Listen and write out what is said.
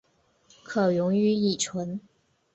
可溶于乙醇。